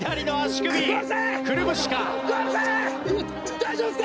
大丈夫ですか？